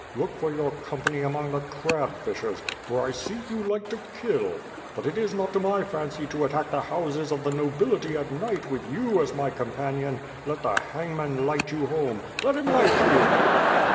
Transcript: Look for your company among the crab fishers, for I see you like to kill; but it is not to my fancy to attack the houses of the nobility at night with you as my companion. Let the hangman light you home! Let him light you!"